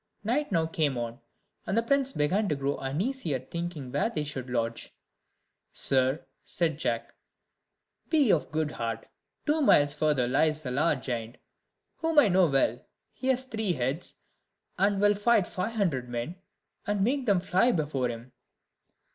Night now came on, and the prince began to grow uneasy at thinking where they should lodge. "Sir," said Jack, "be of good heart; two miles further there lives a large giant, whom I know well; he has three heads, and will fight five hundred men, and make them fly before him."